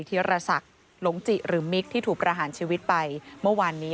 ธีรศักดิ์หลงจิหรือมิกที่ถูกประหารชีวิตไปเมื่อวานนี้